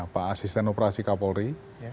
pak asisten operasi kapolri